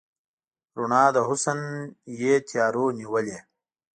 رڼا د حسن یې تیارو نیولې